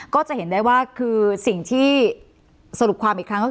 ก็จะเห็นได้ว่าคือสิ่งที่สรุปความอีกครั้งก็คือ